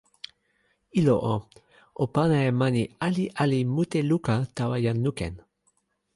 ilo o, o pana e mani ali ali mute luka tawa jan Nuken.